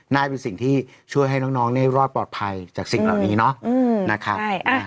น่าจะเป็นสิ่งที่ช่วยให้น้องรอดปลอดภัยจากสิ่งเหล่านี้เนาะนะครับ